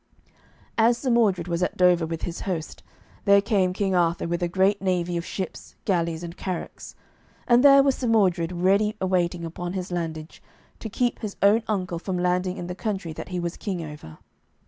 As Sir Mordred was at Dover with his host, there came King Arthur with a great navy of ships, galleys, and carracks. And there was Sir Mordred ready awaiting upon his landage, to keep his own uncle from landing in the country that he was king over.